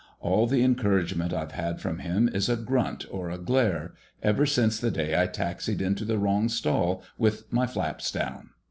All the encouragement I've had from him is a grunt or a glare—ever since the day I taxied into the wrong stall with my flaps down."